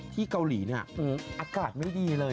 ที่เกาหลีเนี่ยอากาศไม่ดีเลย